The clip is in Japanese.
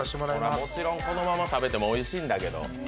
もちろんこのまま食べてもおいしいんだけど。